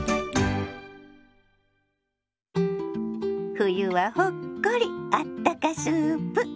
「冬はほっこりあったかスープ」。